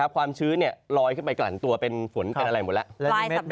ความชื้นลอยขึ้นไปกลั่นตัวเป็นฝนเป็นอะไรหมดแล้ว